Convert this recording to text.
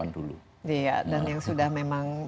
dulu iya dan yang sudah memang